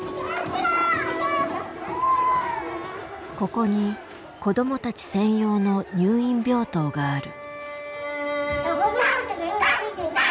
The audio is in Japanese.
ここに子どもたち専用の入院病棟がある。